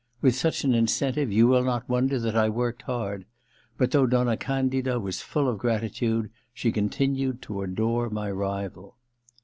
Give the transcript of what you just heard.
With such an incentive you will not wonder that I worked hard ; but though Donna Candida was full of gratitude she continued to adore my rival.